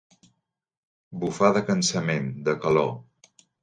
Bufar de cansament, de calor.